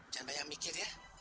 jangan banyak mikir ya